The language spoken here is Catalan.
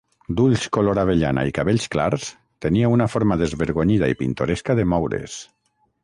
D'ulls color avellana i cabells clars, tenia una forma desvergonyida i pintoresca de moure's.